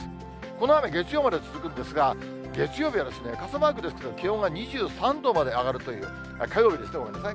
この雨、月曜まで続くんですが、月曜日は傘マークですけど、気温が２３度まで上がるという、火曜日ですね、ごめんなさい。